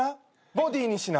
ボディーにしな。